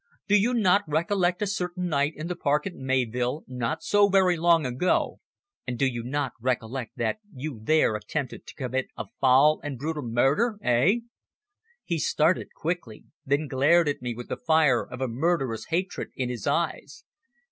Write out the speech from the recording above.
Do you not recollect a certain night in the park at Mayvill not so very long ago, and do you not recollect that you there attempted to commit a foul and brutal murder eh?" He started quickly, then glared at me with the fire of a murderous hatred in his eyes.